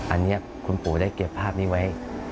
อันนี้คุณปู่ได้เก็บภาพนี้ไว้